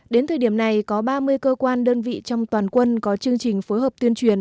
đến thời điểm này có ba mươi cơ quan đơn vị trong toàn quân có chương trình phối hợp tuyên truyền